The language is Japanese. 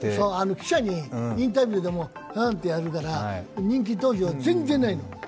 記者にインタビューでもフンってやるから、人気投票、全然ないの。